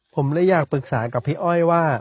ผมเลยอยากปรึกษากับพี่อ้อยว่า